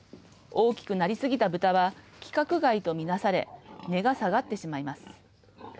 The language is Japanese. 大きくなりすぎた豚は規格外とみなされ値が下がってしまいます。